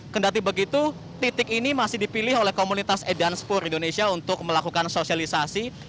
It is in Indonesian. kendali begitu titik ini masih dipilih oleh komunitas edanspur indonesia untuk melakukan sosialisasi